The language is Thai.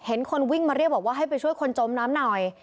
คนวิ่งมาเรียกบอกว่าให้ไปช่วยคนจมน้ำหน่อย